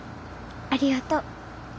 ありがとう。